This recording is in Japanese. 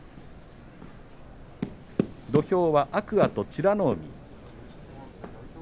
土俵は天空海と美ノ海。